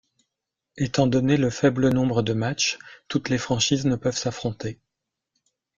Étant donné le faible nombre de matchs, toutes les franchises ne peuvent s'affronter.